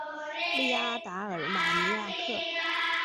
利阿达尔马尼亚克。